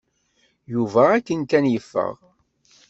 Yuba akken kan yeffeɣ.